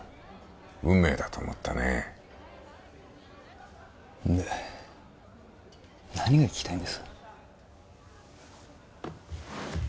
運命だと思ったねで何が聞きたいんです？